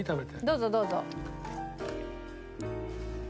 どうぞどうぞ。